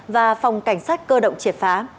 và phòng cảnh sát cơ động triệt phá